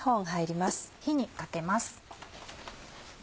火にかけます。